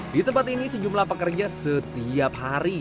di tempat ini sejumlah pekerja setiap hari